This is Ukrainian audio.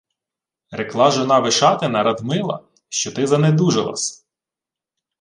— Рекла жона Вишатина Радмила, що ти занедужала-с...